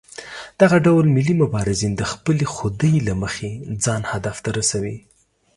دغه ډول ملي مبارزین د خپلې خودۍ له مخې ځان هدف ته رسوي.